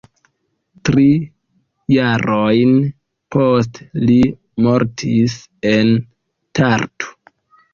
Tri jarojn poste li mortis en Tartu.